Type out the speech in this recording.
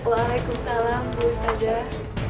waalaikumsalam bu ustazah